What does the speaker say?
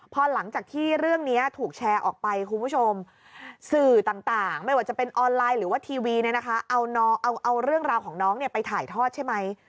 พอหลังจากที่เรื่องนี้ถูกแชร์ออกไปคุณผู้ชมสื่อต่างไม่ว่าจะเป็นออนไลน์หรือว่าทีวีเนี่ยนะคะเอาเรื่องราวของน้องไปถ่ายทอดใช่ไหม